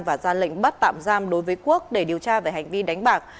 và ra lệnh bắt tạm giam đối với quốc để điều tra về hành vi đánh bạc